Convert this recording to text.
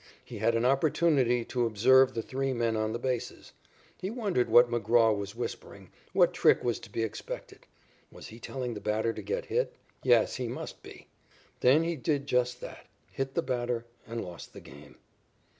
He had an opportunity to observe the three men on the bases. He wondered what McGraw was whispering, what trick was to be expected. Was he telling the batter to get hit? Yes, he must be. Then he did just that hit the batter, and lost the game.